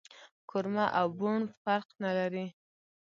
کورمه او بوڼ فرق نه لري